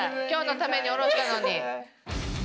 今日のために下ろしたのに。